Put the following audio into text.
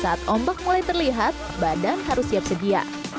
saat ombak mulai terlihat badan harus siap sedia